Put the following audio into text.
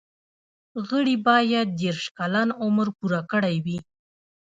غړي باید دیرش کلن عمر پوره کړی وي.